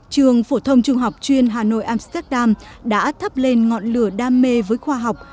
trường phổ thông trung học chuyên hà nội amsterdam đã thắp lên ngọn lửa đam mê với khoa học